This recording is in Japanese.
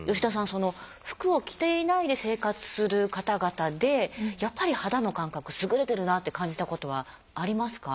その服を着ていないで生活する方々でやっぱり肌の感覚優れてるなって感じたことはありますか？